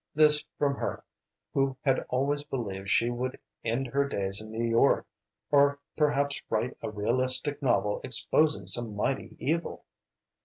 This from her who had always believed she would end her days in New York, or perhaps write a realistic novel exposing some mighty evil!